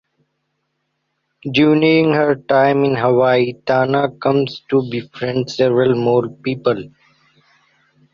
During her time in Hawaii, Tana comes to befriend several more people.